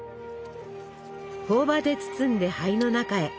ほお葉で包んで灰の中へ。